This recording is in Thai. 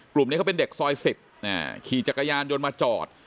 กลุ่มนี้เขาเป็นเด็กซอย๑๐ขี่จักรยานยนต์มาจอด